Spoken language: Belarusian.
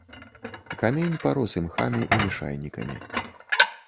Камень парос імхамі і лішайнікамі.